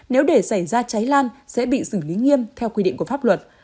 nếu để xảy ra cháy lan sẽ bị xử lý nghiêm theo quy định của pháp luật